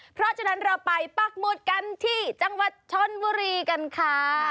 เพราะฉะนั้นเราไปปักหมุดกันที่จังหวัดชนบุรีกันค่ะ